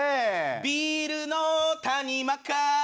ビルの谷間から。